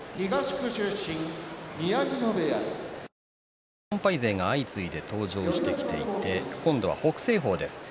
８勝４敗勢が相次いで登場してきていて今度は北青鵬です。